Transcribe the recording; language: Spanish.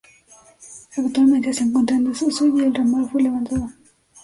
Actualmente se encuentra en desuso, y el ramal fue levantado.